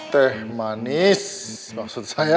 teh manis maksud saya